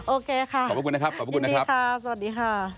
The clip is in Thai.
โอเคค่ะขอบคุณนะครับยินดีค่ะสวัสดีค่ะ